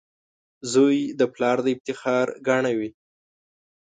• زوی د پلار د افتخار ګاڼه وي.